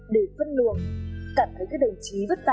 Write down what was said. để phân luồng cảm thấy các đồng chí vất vả